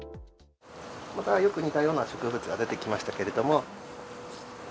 またよく似たような植物が出てきましたけれども。